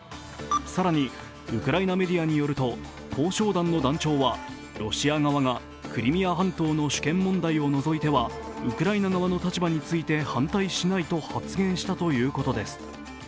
さらに、ウクライナメディアによると、交渉団の団長はロシア側がクリミア半島の主権問題を除いてはウクライナ側の立場について反対しないと発言したということです。